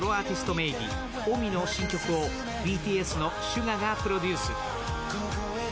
名義ＯＭＩの新曲をＢＴＳのＳＵＧＡがプロデュース。